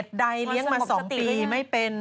ใดเลี้ยงมา๒ปีไม่เป็น